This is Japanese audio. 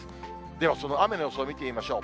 では、その雨の予想を見てみましょう。